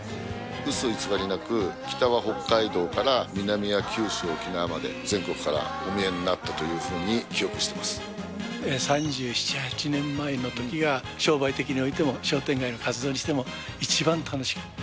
うそ偽りなく、北は北海道から南は九州、沖縄まで、全国からお見えになったというふうに記憶して３７、８年前のときが、商売的においても、商店街の活動にしても、一番楽しかった。